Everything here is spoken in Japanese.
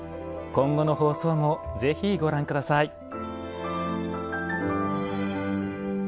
今後の放送もぜひご覧ください。